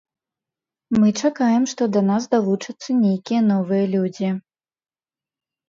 Мы чакаем, што да нас далучацца нейкія новыя людзі.